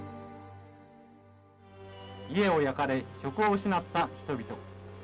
「家を焼かれ職を失った人々。